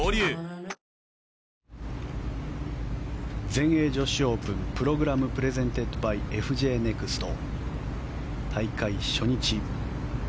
全英女子オープンＰｒｏｇｒａｍｐｒｅｓｅｎｔｅｄｂｙＦＪネクスト。